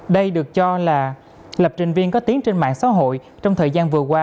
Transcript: đây được cho là lập trình viên có tiếng trên mạng xã hội trong thời gian vừa qua